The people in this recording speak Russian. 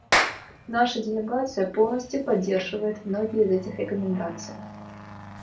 Наша делегация полностью поддерживает многие из этих рекомендаций.